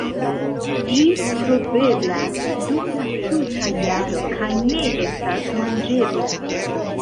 Ĝi troveblas dum la tuta jaro kaj ne estas manĝebla.